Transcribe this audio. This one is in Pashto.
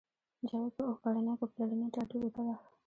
جاوید په اوه کلنۍ کې پلرني ټاټوبي ته لاړ